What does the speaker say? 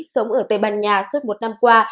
sống ở tây ban nha suốt một năm qua